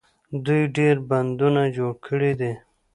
دوی ډیر بندونه جوړ کړي دي.